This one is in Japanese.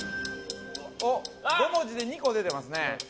５文字で２個出てますね。